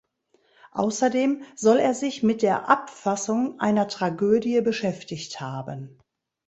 Außerdem soll er sich mit der Abfassung einer Tragödie beschäftigt haben.